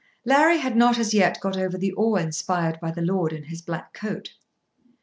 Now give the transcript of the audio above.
Larry had not as yet got over the awe inspired by the lord in his black coat.